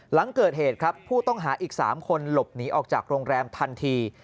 หลังเกิดเหตุครับผู้ต้องหาอีก๓คนหลบหนีออกจากโรงแรมทันที